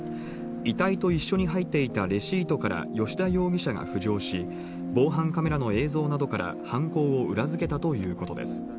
遺体と一緒に入っていたレシートから、吉田容疑者が浮上し、防犯カメラの映像などから犯行を裏付けたということです。